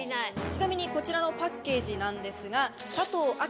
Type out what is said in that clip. ちなみにこちらのパッケージなんですが。